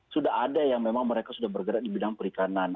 sudah ada yang memang mereka sudah bergerak di bidang perikanan